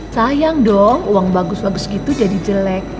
sayang dong uang bagus bagus gitu jadi jelek